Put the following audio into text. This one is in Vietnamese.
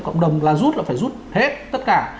cộng đồng là rút là phải rút hết tất cả